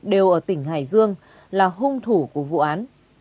đều ở tỉnh hải dương là hung thủ của vụ án